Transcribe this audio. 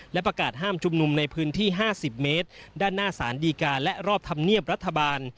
และประกาศห้ามชุมนุมในพื้นที่๕๐เมตรด้านหน้าสารดีการและรอบธรรมเนียบรัฐบาล